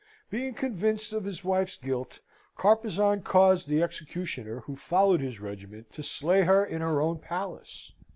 Being convinced of his wife's guilt, Carpezan caused the executioner who followed his regiment to slay her in her own palace.